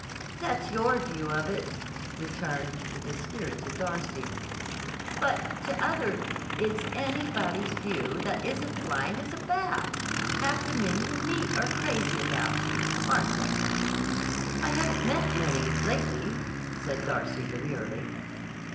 "That's your view of it," returned the dispirited Darcy. "But to other—" "It's anybody's view that isn't blind as a bat! Half the men you meet are crazy about you. Aren't they?" "I haven't met many, lately," said Darcy demurely.